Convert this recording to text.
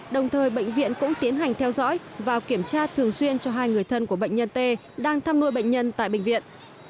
đồng thời bệnh viện cũng tiến hành theo dõi và kiểm tra thường xuyên cho hai người thân của bệnh nhân t đang thăm nuôi bệnh nhân tại bệnh viện